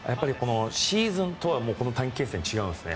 シーズンと短期決戦は違うんですね。